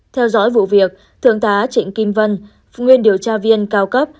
theo dõi vụ việc thượng tá trịnh kim vân nguyên điều tra viên cao cấp